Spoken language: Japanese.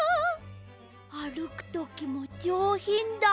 あるくときもじょうひんだ。